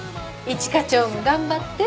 「一課長も頑張って」